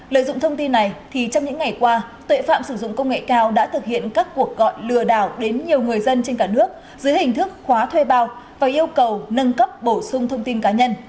lợi dụng thông tin này trong những ngày qua tuệ phạm sử dụng công nghệ cao đã thực hiện các cuộc gọi lừa đảo đến nhiều người dân trên cả nước dưới hình thức khóa thuê bao và yêu cầu nâng cấp bổ sung thông tin cá nhân